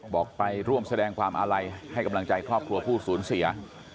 ไปร่วมแสดงความอาลัยให้กำลังใจครอบครัวผู้สูญเสีย